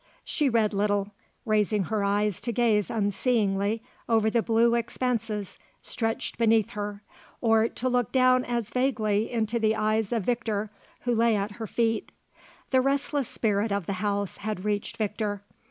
She read little, raising her eyes to gaze unseeingly over the blue expanses stretched beneath her or to look down as vaguely into the eyes of Victor, who lay at her feet. The restless spirit of the house had reached Victor.